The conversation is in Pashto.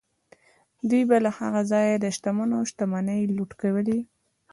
دوی به له هغه ځایه د شتمنو شتمنۍ لوټ کولې.